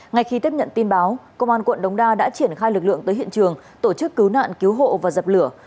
ngay khi tiếp nhận tin báo công an quận đống đa đã triển khai lực lượng tới hiện trường tổ chức cứu nạn cứu hộ và dập lửa